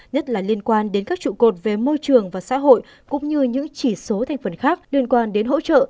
nhất là liên quan đến các trụ cột về môi trường và xã hội cũng như những chỉ số thành phần khác liên quan đến hỗ trợ